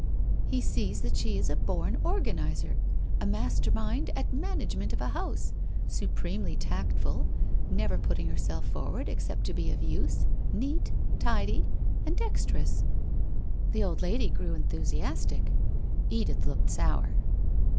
He sees that she is a born organ izer, a master mind at management of a house, supremely tactful, never putting herself forward except to be of use, neat, tidy, and dexterous.' The old lady grew enthusiastic. Edith looked sour.